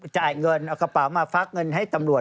จ่ายเงินเอากระเป๋ามาฟักเงินให้ตำรวจ